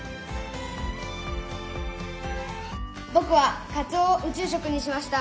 僕はカツオを宇宙食にしました。